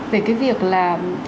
về cái việc là